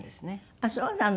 あっそうなの。